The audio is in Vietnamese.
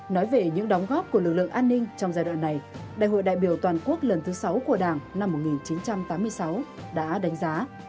nói về những đóng góp của lực lượng an ninh trong giai đoạn này đại hội đại biểu toàn quốc lần thứ sáu của đảng năm một nghìn chín trăm tám mươi sáu đã đánh giá